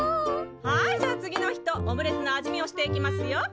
はいじゃあ次の人オムレツの味見をしていきますよ。